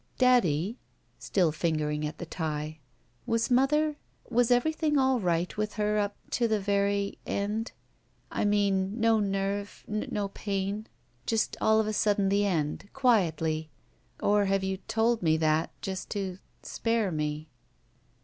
"Daddy" — still fingering at the tie — "was mother — ^was everything all right with her up — ^to the very — end? I mean — ^no nerv — ^no pain? Just all of a sudden the end — quietly. Or have you told me that just to — spare me?"